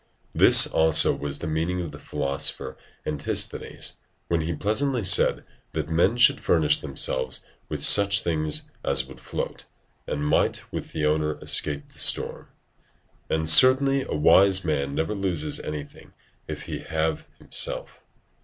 ] This also was the meaning of the philosopher Antisthenes, when he pleasantly said, that "men should furnish themselves with such things as would float, and might with the owner escape the storm"; [Diogenes Laertius, vi. 6.] and certainly a wise man never loses anything if he have himself.